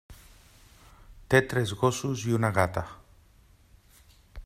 Té tres gossos i una gata.